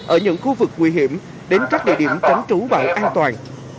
ở những khu vực nguy hiểm đến các địa điểm tránh trú bão an toàn